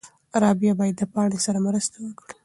رابعه باید له پاڼې سره مرسته وکړي.